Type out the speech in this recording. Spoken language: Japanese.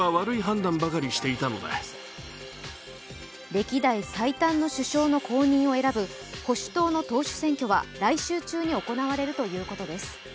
歴代最短の首相の後任を選ぶ、保守党の党首選挙は来週中に行われるということです。